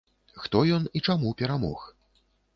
Хто ён і чаму перамог?